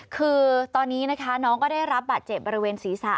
คือตอนนี้นะคะน้องก็ได้รับบาดเจ็บบริเวณศีรษะ